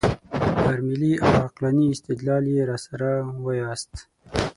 پر ملي او عقلاني استدلال یې راسره وایاست.